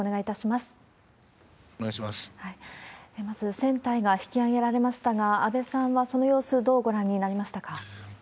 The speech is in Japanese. まず船体が引き揚げられましたが、安倍さんは、その様子、どうご覧になりましたか？